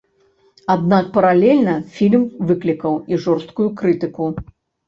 Аднак паралельна фільм выклікаў і жорсткую крытыку.